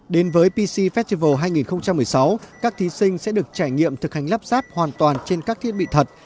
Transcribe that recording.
đến với pc festival hai nghìn một mươi sáu các thí sinh sẽ được trải nghiệm thực hành lắp sáp hoàn toàn trên các thiết bị thật